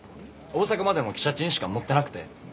大阪までの汽車賃しか持ってなくて。